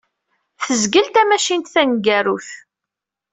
Tezgel tamacint taneggarut.